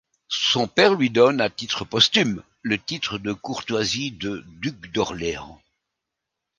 Son père lui donne à titre posthume le titre de courtoisie de duc d'Orléans.